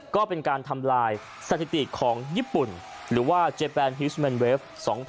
ก็เป็นการทำลายสถิติของญี่ปุ่นหรือว่าเจแปนฮิสเมนเวฟ๒๐